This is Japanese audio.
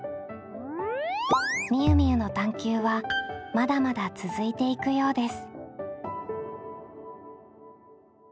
みゆみゆの探究はまだまだ続いていくようです。